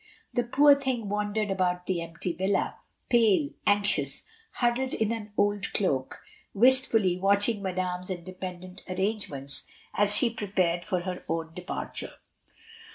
The poor thing wandered about the empty villa, pale, anxious, huddled in an old cloak, wistfully watching Madame's independent arrange ments as she prepared for her own departure.